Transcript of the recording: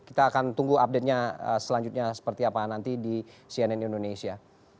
kita akan tunggu update nya selanjutnya seperti apa nanti di cnn indonesia